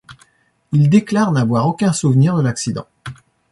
Il déclare n'avoir aucun souvenir de l'accident.